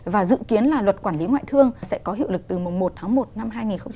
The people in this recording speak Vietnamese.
và dự kiến là luật quản lý ngoại thương sẽ có hiệu lực từ một tháng một năm hai nghìn một mươi tám